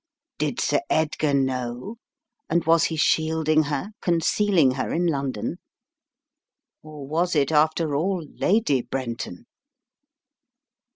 Did Sir Edgar know, and was he shielding her; con cealing her in London? Or was it, after all, Lady Brenton?